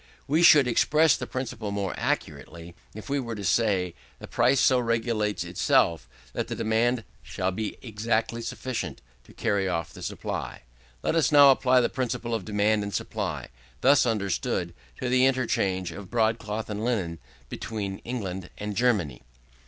We should express the principle more accurately, if we were to say, the price so regulates itself that the demand shall be exactly sufficient to carry off the supply. Let us now apply the principle of demand and supply, thus understood, to the interchange of broadcloth and linen between England and Germany.